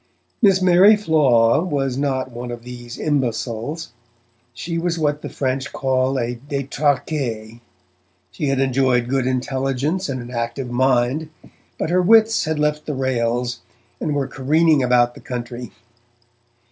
Miss Mary Flaw was not one of these imbeciles. She was what the French call a detraquee; she had enjoyed good intelligence and an active mind, but her wits had left the rails and were careening about the country.